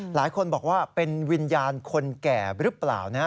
หลายคนบอกว่าเป็นวิญญาณคนแก่หรือเปล่านะ